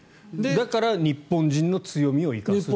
だから日本人の強みを生かすという。